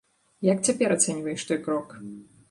Як цяпер ацэньваеш той крок?